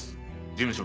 事務所の。